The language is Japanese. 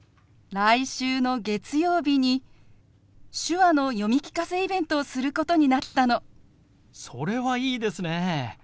来週の月曜日に手話の読み聞かせイベントをすることになったの。それはいいですね。